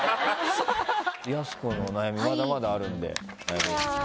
やす子の悩み、まだまだあるんで。